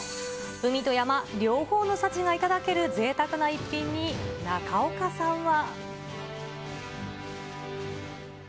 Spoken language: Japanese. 海と山、両方の幸が頂けるぜいたくな一品に、中岡さんは。